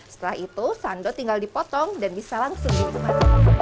setelah itu sando tinggal dipotong dan bisa langsung dinikmat